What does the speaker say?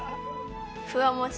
ふわもち。